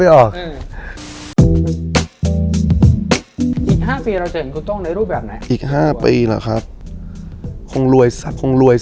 อีก๕ปีเหรอครับคงรวยสัด